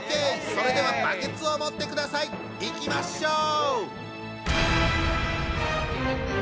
それではバケツを持ってください！いきましょう！